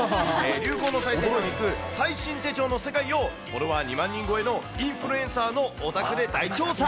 流行の最先端をいく、最新手帳の世界を、フォロワー２万人超えのインフルエンサーのお宅で大調査。